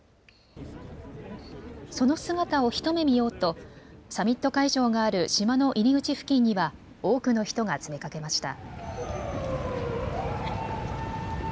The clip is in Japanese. その姿を一目見ようと、サミット会場がある島の入り口付近には多くの人が詰めかけました。